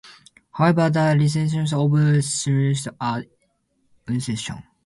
However, the relationships of "Silesaurus" are uncertain.